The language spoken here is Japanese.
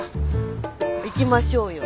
行きましょうよ。